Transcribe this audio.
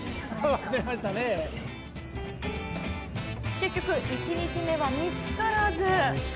結局、１日目は見つからず。